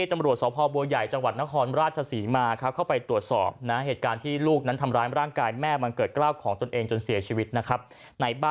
ตำรวจสงษ์ศพบัวใหญ่จังหวัดนครราชศรีมา